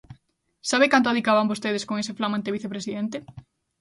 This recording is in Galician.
¿Sabe canto adicaban vostedes con ese flamante vicepresidente?